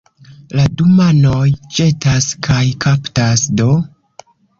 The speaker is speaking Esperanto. La du manoj ĵetas kaj kaptas do.